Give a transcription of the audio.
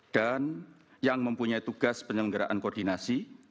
dan yang mempunyai tugas penyelenggaraan koordinasi